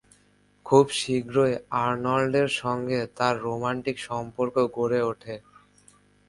খুব শীঘ্রই আর্নল্ডের সঙ্গে তার রোমান্টিক সম্পর্ক গড়ে ওঠে।